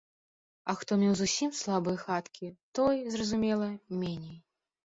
А хто меў зусім слабыя хаткі, той, зразумела, меней.